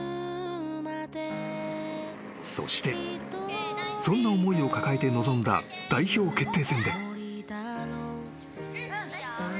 ［そしてそんな思いを抱えて臨んだ代表決定戦で］